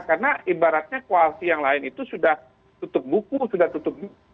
karena ibaratnya koalisi yang lain itu sudah tutup buku sudah tutup